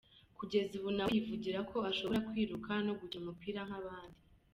Kugeza ubu na we yivugira ko ashobora kwiruka no gukina umupira nk’abandi.